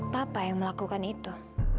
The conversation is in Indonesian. bapak yang melakukan itu